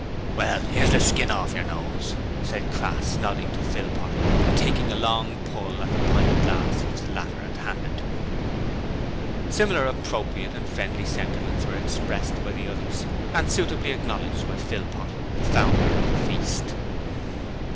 'Well, 'ere's the skin orf yer nose,' said Crass, nodding to Philpot, and taking a long pull at the pint glass which the latter had handed to him. Similar appropriate and friendly sentiments were expressed by the others and suitably acknowledged by Philpot, the founder of the feast.